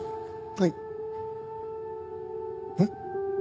はい。